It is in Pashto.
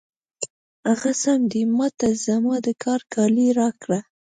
هغه سم دی، ما ته زما د کار کالي راکړه.